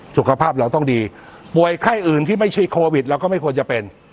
สุขภาพเราต้องดีป่วยไข้อื่นที่ไม่ใช่โควิดเราก็ไม่ควรจะเป็น